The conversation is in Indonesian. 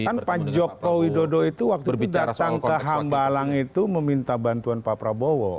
kan pak joko widodo itu waktu itu datang ke hambalang itu meminta bantuan pak prabowo